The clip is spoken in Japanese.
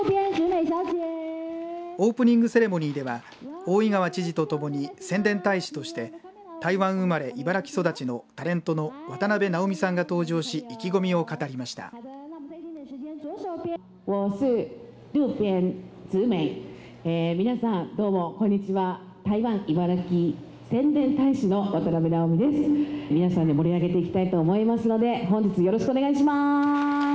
オープニングセレモニーでは大井川知事とともに宣伝大使として台湾生まれ茨城育ちのタレントの渡辺直美さんが登場し意気込みを語りました。